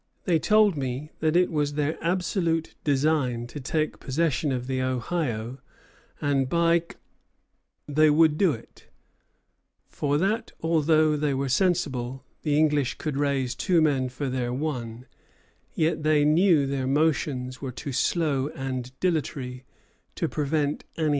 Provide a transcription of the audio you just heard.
They told me that it was their absolute design to take possession of the Ohio, and, by G , they would do it; for that although they were sensible the English could raise two men for their one, yet they knew their motions were too slow and dilatory to prevent any undertaking of theirs."